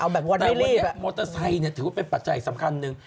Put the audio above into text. แต่รถมอเตอร์ไซค์เนี่ยถือว่าเป็นปัจจัยสำคัญหนึ่ง